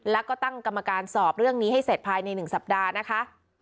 แล้วก็ตั้งกรรมการสอบเรื่องนี้ให้เสร็จภายใน๑สัปดาห์นะคะ